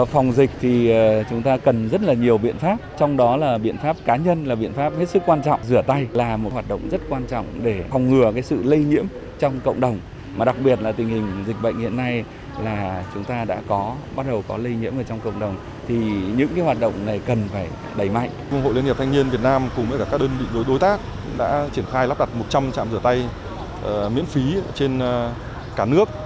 hội liên hiệp thanh niên việt nam cùng với các đơn vị đối tác đã triển khai lắp đặt một trăm linh trạm rửa tay miễn phí trên cả nước